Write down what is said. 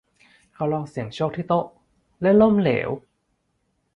เขาลองเสี่ยงโชคที่โต๊ะและล้มเหลว